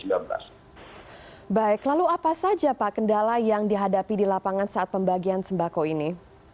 baik lalu apa saja pak kendala yang dihadapi di lapangan saat pembagian sembako ini